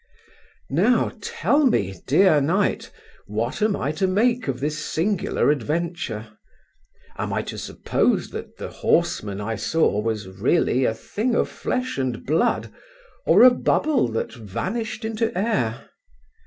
Now tell me, dear knight, what am I to make of this singular adventure? Am I to suppose that the horseman I saw was really a thing of flesh and blood, or a bubble that vanished into air?